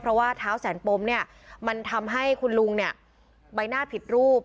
เพราะว่าเท้าแสนปมเนี่ยมันทำให้คุณลุงเนี่ยใบหน้าผิดรูป